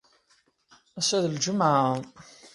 Assa d lǧemɛa.